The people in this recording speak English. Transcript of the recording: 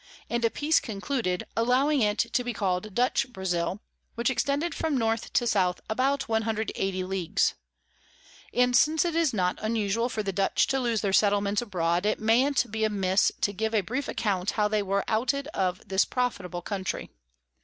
and a Peace concluded, allowing it to be call'd Dutch Brazile, which extended from North to South about 180 Leagues: And since it is not usual for the Dutch to lose their Settlements abroad, it mayn't be amiss to give a brief Account how they were outed of this profitable Country.